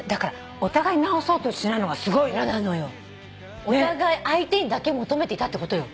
お互い相手にだけ求めていたってことよ。